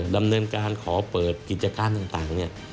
ดำเนินการขอเปิดกิจการต่างเนี่ย